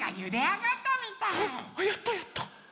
あっやったやった！